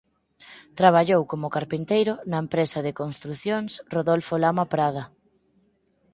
Traballou como carpinteiro na empresa de construcións Rodolfo Lama Prada.